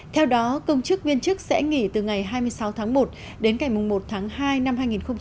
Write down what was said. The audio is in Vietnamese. theo đó công chức viên chức sẽ nghỉ từ ngày hai mươi sáu tháng một đến cảnh một tháng hai năm hai nghìn một mươi bảy